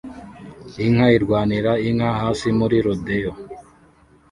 Inka irwanira inka hasi muri rodeo